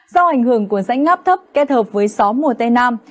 do ảnh hưởng của rãnh ngắp thấp kết hợp với gió mùa tây nam